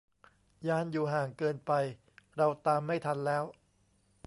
ยานอยู่ห่างเกินไป เราตามไม่ทันแล้ว